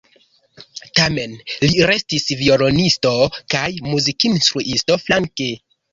Tamen li restis violonisto kaj muzikinstruisto flanke.